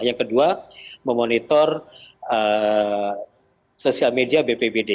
yang kedua memonitor sosial media bpbd